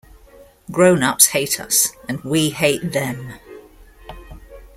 Grown-ups hate us - and we hate "them"!